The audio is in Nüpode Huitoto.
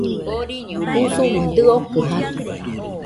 Usuma dɨokɨ jate.